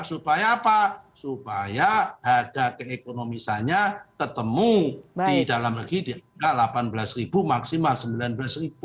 supaya apa supaya harga keekonomisannya ketemu di dalam negeri di angka rp delapan belas maksimal rp sembilan belas